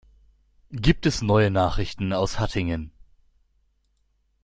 Gibt es neue Nachrichten aus Hattingen?